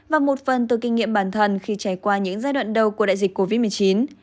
và một phần từ kinh nghiệm bản thân khi trải qua những giai đoạn đầu của đại dịch covid một mươi chín